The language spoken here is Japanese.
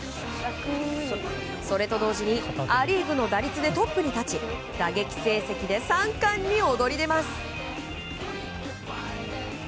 それと同時にア・リーグの打率でトップに立ち打撃成績で三冠に躍り出ます。